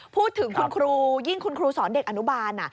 พูดถึงคุณครูยิ่งคุณครูสอนเด็กอนุบาล